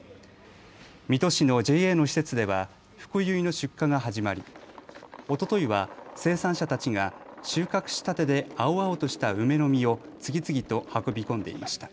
水戸市のＪＡの施設ではふくゆいの出荷が始まりおとといは生産者たちが収穫したてで青々とした梅の実を次々と運び込んでいました。